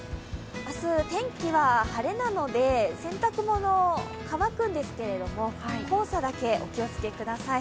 明日天気は晴れなので、洗濯物乾くんですけど黄砂だけ、お気をつけください。